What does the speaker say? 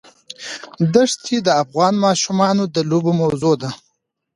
دښتې د افغان ماشومانو د لوبو موضوع ده.